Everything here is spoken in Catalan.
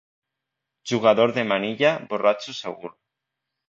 Jugador de manilla, borratxo segur.